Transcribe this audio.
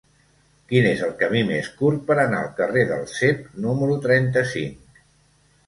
Quin és el camí més curt per anar al carrer del Cep número trenta-cinc?